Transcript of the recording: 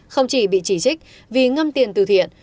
không chỉ bị chỉ trích vì ngâm tiền từ thiện